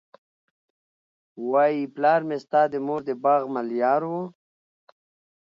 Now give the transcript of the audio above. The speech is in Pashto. وايي پلار مي ستا د مور د باغ ملیار وو